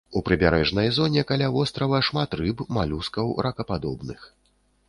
У прыбярэжнай зоне каля вострава шмат рыб, малюскаў, ракападобных.